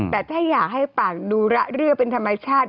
แต่ถ้าอยากให้ปากดูระเรื่อยเป็นธรรมชาติ